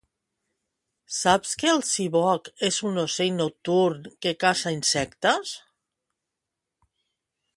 Saps que el siboc és un ocell nocturn que caça insectes?